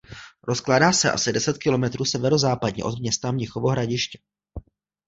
Rozkládá se asi deset kilometrů severozápadně od města Mnichovo Hradiště.